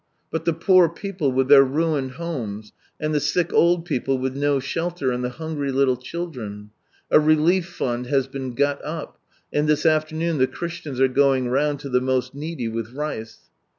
But the poor people with their ruined homes, and the sick otd people with no shelter, and the hungry little children ! A relief fund has been got up, and this afternoon the Christians are going round to the most needy with rice.